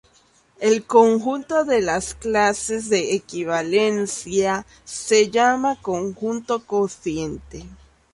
El conjunto de las clases de equivalencia se llama "conjunto cociente".